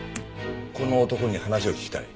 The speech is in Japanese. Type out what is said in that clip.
この男に話を聞きたい。